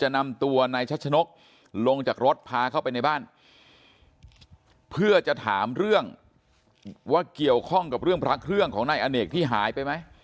นำตัวนายชัชนกลงจากรถพาเข้าไปในบ้านเพื่อจะถามเรื่องว่าเกี่ยวข้องกับเรื่องพระเครื่องของนายอเนกที่หายไปไหม